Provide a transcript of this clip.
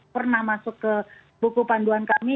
pernah masuk ke buku panduan kami